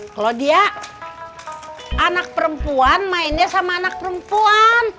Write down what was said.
kalau dia anak perempuan main dia sama anak perempuan